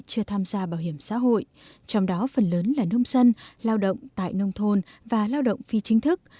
chưa tham gia bảo hiểm xã hội trong đó phần lớn là nông dân lao động tại nông thôn và lao động phi chính thức